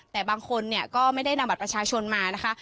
แต่บางคนเนี่ยก็ไม่ได้นำบัตรประชาชนมานะคะ